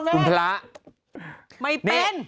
จะเป็นไม่เป็น